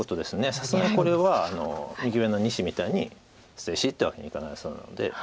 さすがにこれは右上の２子みたいに捨て石ってわけにはいかなそうなので。